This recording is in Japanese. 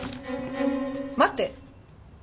待って。